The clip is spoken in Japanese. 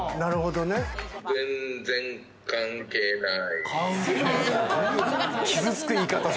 全然関係ない。